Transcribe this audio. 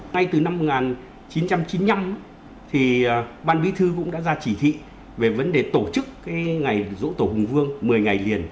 ngay từ năm một nghìn chín trăm chín mươi năm ban bí thư cũng đã ra chỉ thị về vấn đề tổ chức ngày dỗ tổ hùng vương một mươi ngày liền